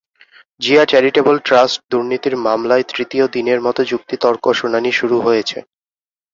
Zia charitable trust দুর্নীতির মামলায় তৃতীয় দিনের মতো যুক্তিতর্ক শুনানি শুরু হয়েছে।